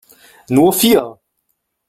Nur vier!